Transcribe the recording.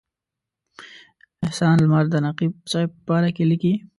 احسان لمر د نقیب صاحب په باره کې لیکي.